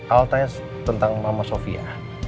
aku tanya tentang mama sofia